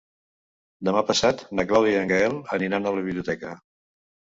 Demà passat na Clàudia i en Gaël aniran a la biblioteca.